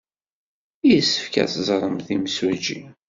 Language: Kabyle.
Yessefk ad ẓrent imsujji.